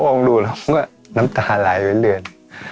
พระองค์ดูแล้วมันก็น้ำตาลายไปเรื่อย